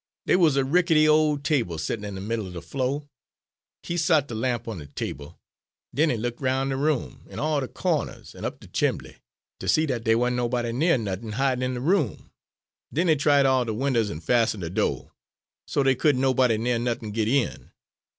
"Dey wuz a rickety ole table settin' in de middle er de flo'. He sot de lamp on de table. Den he look 'roun' de room, in all de cawners an' up de chimbly, ter see dat dey wan't nobody ner nuthin' hid in de room. Den he tried all de winders an' fastened de do', so dey couldn' nobody ner nuthin' git in.